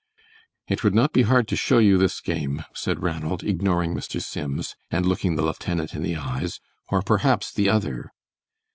"It would not be hard to show you this game," said Ranald, ignoring Mr. Sims, and looking the lieutenant in the eyes, "or perhaps the other!"